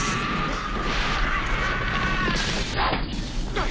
あっ！